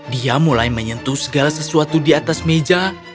dia mulai menyentuh segala sesuatu di atas meja